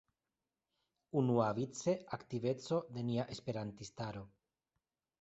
Unuavice aktiveco de nia esperantistaro.